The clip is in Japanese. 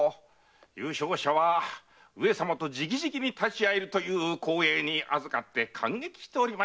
優勝者は上様と直々に立ち合えるという光栄にあずかって感激しておりましたですなぁ。